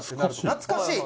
「懐かしい？」